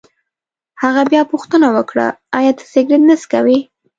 هغه بیا پوښتنه وکړه: ایا ته سګرېټ نه څکوې؟